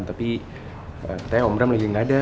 tapi katanya om bram lagi gak ada